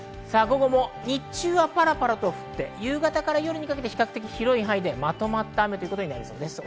日中はパラパラ降って、夕方から夜にかけて広い範囲でまとまった雨となりそうです。